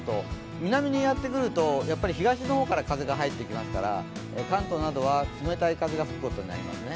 南にやってくると東の方から風が入ってきますから関東などは冷たい風が吹くことになりますね。